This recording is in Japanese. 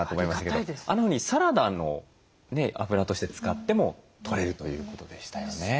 あんなふうにサラダのあぶらとして使ってもとれるということでしたよね。